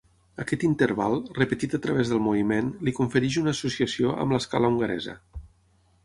Aquest interval, repetit a través del moviment, li confereix una associació amb l'escala hongaresa.